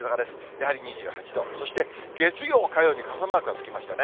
やはり２８度、そして、月曜、火曜に傘マークがつきましたね。